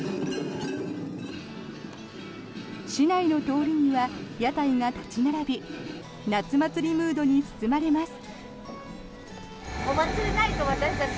市内の通りには屋台が立ち並び夏祭りムードに包まれます。